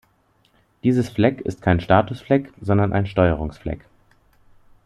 Dieses Flag ist kein Status-Flag, sondern ein Steuerungs-Flag.